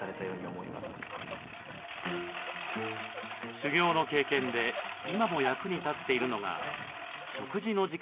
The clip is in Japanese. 修行の経験で今も役に立っているのが食事の時間を充実させる作法。